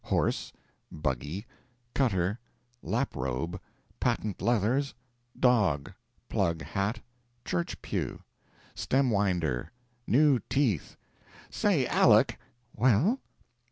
"Horse buggy cutter lap robe patent leathers dog plug hat church pew stem winder new teeth say, Aleck!" "Well?"